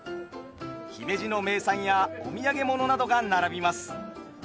姫路の名産やお土産物などが並びます。